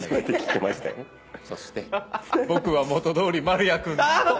そして僕は元どおり丸谷くんと。